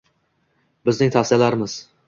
Bizning tavsiyalarimiz: